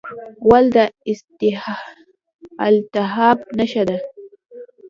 غول د التهاب نښه ده.